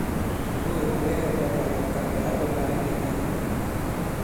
Ŋgoỳ à lɛgɛ tǎtà la ŋ̀kànlɛ̀ ǎ tɔ̄ŋ lā ǎ nɛ̄ nyɛ̄.